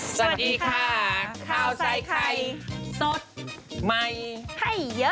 สวัสดีค่ะข้าวใส่ไข่สดใหม่ให้เยอะ